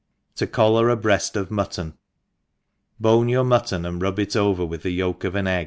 7o collar a Breast g/*MuTTo^^. BONE your mutton, and rub it over with the yolk of an t.